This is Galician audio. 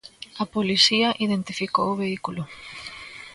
A policía identificou o vehículo.